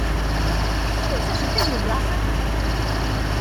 Et si on s’achetait une glace?